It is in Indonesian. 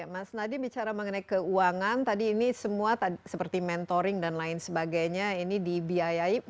mas nadiem bicara mengenai keuangan tadi ini semua seperti mentoring dan lain sebagainya ini dibiayai